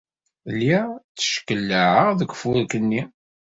Lliɣ tteckellaɛeɣ deg ufurk-nni.